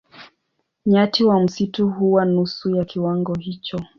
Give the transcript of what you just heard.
Nyati wa msitu huwa nusu ya kiwango hicho.